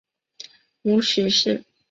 母许氏。